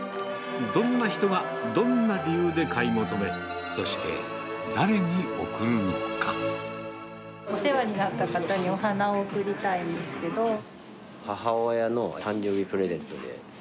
どんな人がどんな理由で買い求め、お世話になった方にお花を贈母親の誕生日プレゼントで。